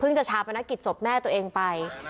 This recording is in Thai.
เพิ่งจะชาปนักกิจสบแม่ตัวเองไป